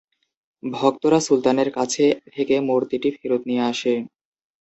ভক্তরা সুলতানের কাছ থেকে মূর্তিটি ফেরত নিয়ে আসে।